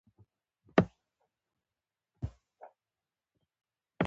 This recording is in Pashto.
امیرالمؤمنین له حکمه نه یې خبره.